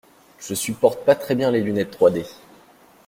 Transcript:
Je supporte pas très bien les lunettes trois D.